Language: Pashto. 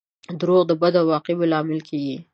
• دروغ د بدو عواقبو لامل کیږي.